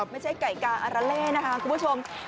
ไม่ใช่ไก่กาอาราเล่นะคุณผู้ชม